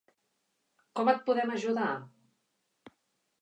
Com et podem ajudar?